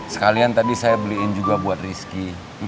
sekalian tadi saya beliin juga buat rizky